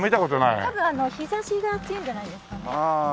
たぶん日差しが強いんじゃないですかね？